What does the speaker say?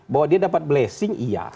bahwa dia dapat blessing iya